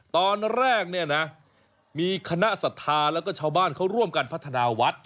ตอนแรกเนี่ยนะมีคณะศรัทธาแล้วก็ชาวบ้านเขาร่วมกันพัฒนาวัด